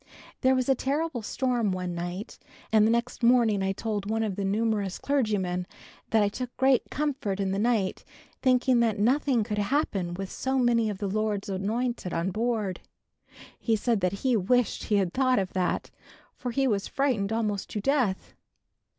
There was a terrible storm one night and the next morning I told one of the numerous clergymen, that I took great comfort in the night, thinking that nothing could happen with so many of the Lord's anointed, on board. He said that he wished he had thought of that, for he was frightened almost to death!